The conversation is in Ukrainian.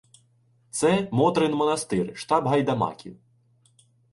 Це — Мотрин монастир, штаб гайдамаків.